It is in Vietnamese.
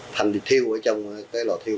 thanh đi thiêu ở trong cái lò thiêu